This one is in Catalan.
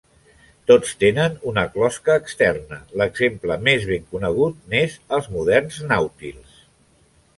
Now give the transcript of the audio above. Tots tenen una closca externa, l'exemple més ben conegut n'és els moderns nàutils.